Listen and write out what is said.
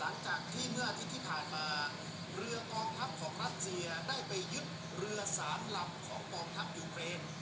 หลังจากที่เมื่ออาทิตย์ที่ผ่านมาเรือกองทัพของรัสเซียได้ไปยึดเรือสามลำของกองทัพยูเปน